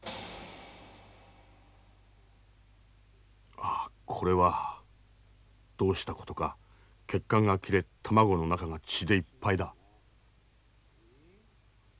ああこれはどうしたことか血管が切れ卵の中が血でいっぱいだ。